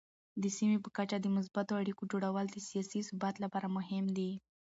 د سیمې په کچه د مثبتو اړیکو جوړول د سیاسي ثبات لپاره مهم دي.